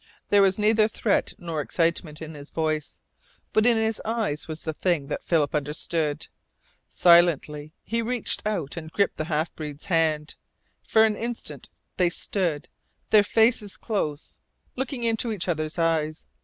There was neither threat nor excitement in his voice, but in his eyes was the thing that Philip understood. Silently he reached out and gripped the half breed's hand, For an instant they stood, their faces close, looking into each other's eyes.